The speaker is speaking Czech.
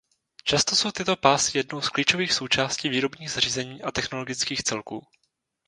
Často jsou tyto pásy jednou z klíčových součástí výrobních zařízení a technologických celků.